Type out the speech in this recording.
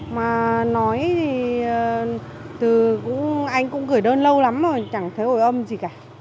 mà nói thì từ anh cũng gửi đơn lâu lắm rồi chẳng thấy hồi âm gì cả